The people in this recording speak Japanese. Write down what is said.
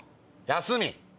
休み？